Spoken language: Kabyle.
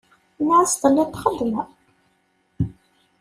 Nniɣ-as telliḍ txeddmeḍ.